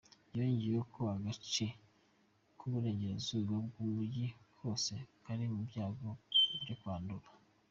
Yongeyeho ko agace k’Uburengerazuba bw’umujyi kose kari mu byago byo kwandura.